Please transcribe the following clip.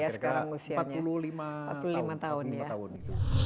salah satu program uned ini